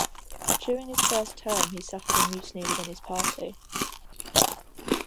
During his first term, he suffered a mutiny within his party.